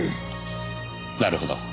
なるほど。